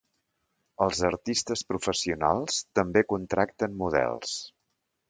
Els artistes professionals també contracten models.